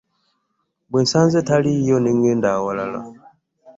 Bwe nsanze taliiyo ne ŋŋenda awalala.